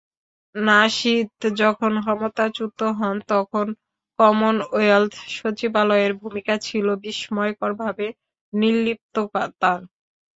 নাশিদ যখন ক্ষমতাচ্যুত হন, তখন কমনওয়েলথ সচিবালয়ের ভূমিকা ছিল বিস্ময়করভাবে নির্লিপ্ততার।